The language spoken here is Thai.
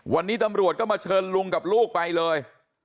วันนี้ตำรวจก็มาเชิญลุงกับลูกไปเลย